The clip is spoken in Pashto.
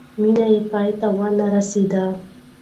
مینه یې پای ته ونه رسېده.